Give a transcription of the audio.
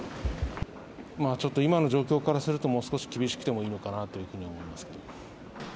ちょっと今の状況からすると、もう少し厳しくてもいいのかなというふうに思います。